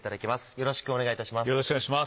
よろしくお願いします。